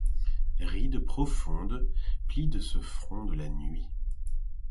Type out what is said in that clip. Rides profondes, plis de ce front de la nuit.